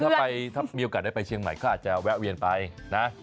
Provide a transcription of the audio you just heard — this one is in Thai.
ถ้ามีโอกาสได้ไปเชียงใหม่ก็อาจจะแวะเวียนไปนะ